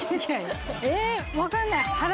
え分かんない腹